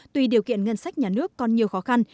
tuy điều kiện ngân sách nhà nước còn nhiều khó khăn